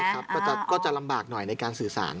ล่ะมาแล้วใช่ครับแต่ก็จะลำบากหน่อยในการสื่อสาร